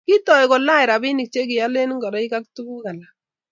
kiitou kulany robini che kiolen ngoroik ak tuguk alak